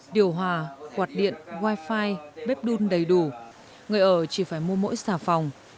điều hòa quạt điện wifi bếp đun đầy đủ người ở chỉ phải mua mỗi xà phòng